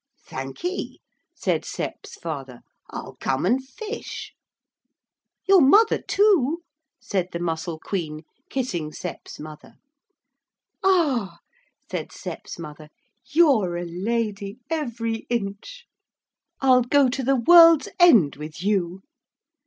'Thankee,' said Sep's father, 'I'll come and fish.' 'Your mother too,' said the Mussel Queen, kissing Sep's mother. 'Ah,' said Sep's mother, 'you're a lady, every inch. I'll go to the world's end with you.'